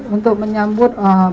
untuk menyambut anak buru kami